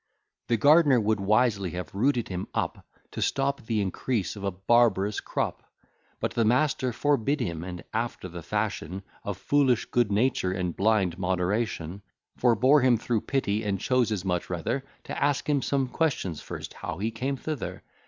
The gard'ner would wisely have rooted him up, To stop the increase of a barbarous crop; But the master forbid him, and after the fashion Of foolish good nature, and blind moderation, Forbore him through pity, and chose as much rather, To ask him some questions first, how he came thither.